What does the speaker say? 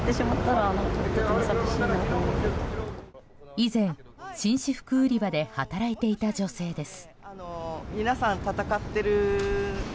以前、紳士服売り場で働いていた女性です。